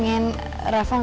rafa gak perlu dikawal bang